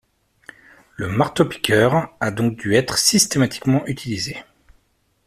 Le marteau-piqueur a donc dû être systématiquement utilisé.